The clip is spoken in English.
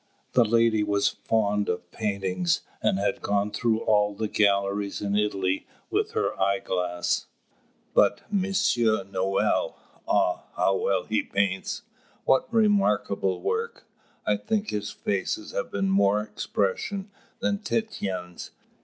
The lady was fond of paintings, and had gone through all the galleries in Italy with her eye glass. "But Monsieur Nohl ah, how well he paints! what remarkable work! I think his faces have been more expression than Titian's.